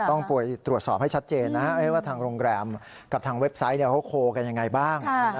คือต้องปรวยตรวจสอบให้ชัดเจนนะฮะให้ว่าทางโรงแรมกับทางเว็บไซต์เนี่ยเขาโคลกันยังไงบ้าง